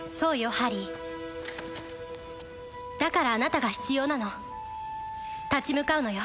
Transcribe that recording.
ハリーだからあなたが必要なの立ち向かうのよ